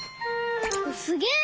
すげえ！